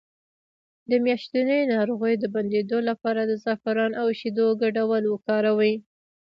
د میاشتنۍ ناروغۍ د بندیدو لپاره د زعفران او شیدو ګډول وکاروئ